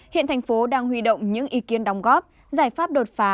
hiện thành phố đang huy động những ý kiến đóng góp giải pháp đột phá